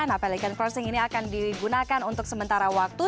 nah pelikan crossing ini akan digunakan untuk sementara waktu